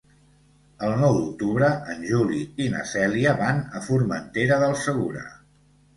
El nou d'octubre en Juli i na Cèlia van a Formentera del Segura.